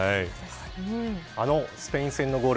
あのスペイン戦のゴール